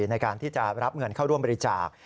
ในการที่จะรับเงินเข้าร่วมบริจาค